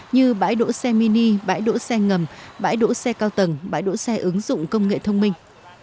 như bãi đỗ xe mini bãi đỗ xe ngầm bãi đỗ xe cao tầng bãi đỗ xe ứng dụng công nghệ thông minh